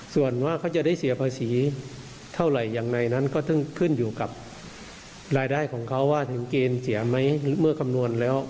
ส่วนว่าเขาจะได้เสียภาษีเท่าไหร่อย่างไรนั้นก็ต้องขึ้นอยู่กับรายได้ของเขาว่าถึงเกณฑ์เสียไหมเมื่อคำนวณแล้ว